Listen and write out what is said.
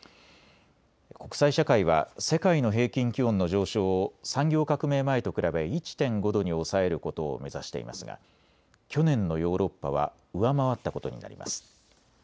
国際社会は世界の平均気温の上昇を産業革命前と比べ１．５度に抑えることを目指していますが去年のヨーロッパは上回ったことになります。